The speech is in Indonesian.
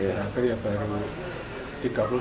terakhir ya pak tiga puluh lima hari kemarin